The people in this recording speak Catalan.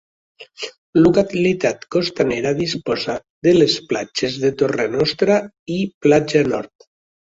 Localitat costanera, disposa de les platges de Torrenostra i Platja Nord.